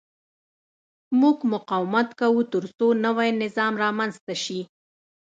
موږ مقاومت کوو ترڅو نوی نظام رامنځته شي.